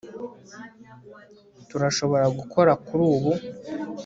turashobora gukora kuri ubu